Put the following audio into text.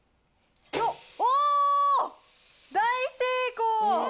大成功。